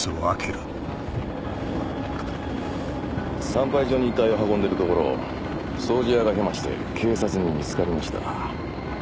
産廃場に遺体を運んでるところを掃除屋がヘマして警察に見つかりました。